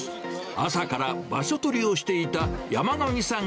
朝から場所取りをしていた山上さん